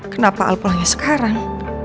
kenapa al pulangnya sekarang